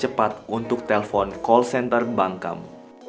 dan bisa bergerak cepat untuk telpon call center bank kamu